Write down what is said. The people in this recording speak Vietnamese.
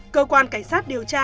cơ quan cảnh sát điều tra